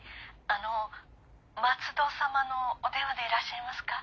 あの松戸様のお電話でいらっしゃいますか？